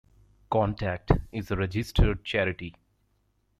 Contact is a registered charity.